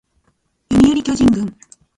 読売巨人軍